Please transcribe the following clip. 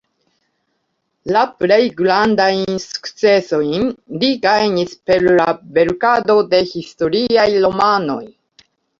La plej grandajn sukcesojn li gajnis per la verkado de historiaj romanoj.